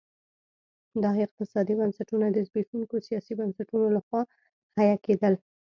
دا اقتصادي بنسټونه د زبېښونکو سیاسي بنسټونو لخوا حیه کېدل.